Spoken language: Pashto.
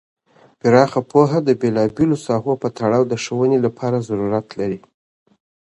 پراخ پوهه د بیلا بیلو ساحو په تړاو د ښوونې لپاره ضروریت لري.